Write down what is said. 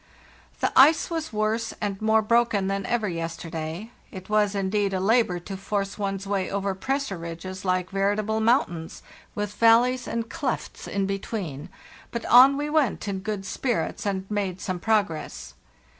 "The ice was worse and more broken than ever yes terday; it was, indeed, a labor to force one's way over pressure ridges like veritable mountains, with valleys and clefts in between; but on we went in good spirits, and made some progress.